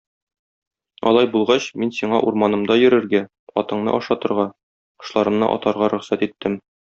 Алай булгач, мин сиңа урманымда йөрергә, атыңны ашатырга, кошларымны атарга рөхсәт иттем.